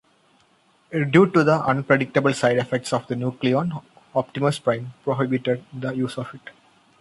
Due to the unpredictable side-effects of Nucleon, Optimus Prime prohibited the use of it.